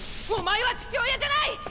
おまえは父親じゃない！